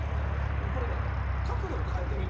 でもこれねかくどをかえてみるの。